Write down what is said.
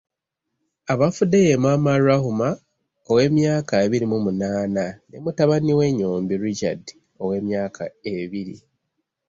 Abafudde ye maama Rahumah ow’emyaka abiri mu munaana ne mutabani we Nyombi Richard ow’emyaka ebiri.